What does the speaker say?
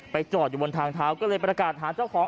จอดอยู่บนทางเท้าก็เลยประกาศหาเจ้าของ